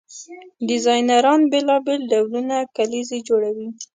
ډیزاینران بیلابیل ډولونه کلیزې جوړوي.